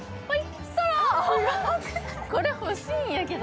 これ欲しいんやけど。